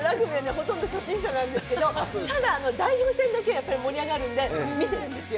ほとんど初心者なんですけどただ代表戦だけはやっぱり盛り上がるんで見てるんですよ。